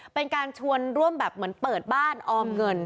เป็นการชวนร่วมแบบเหมือนเปิดบ้านออมเงิน